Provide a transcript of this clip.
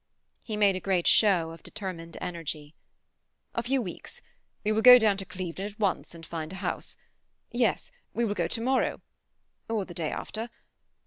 He made a great show of determined energy. "A few weeks—. We will go down to Clevedon at once and find a house. Yes, we will go to morrow, or the day after.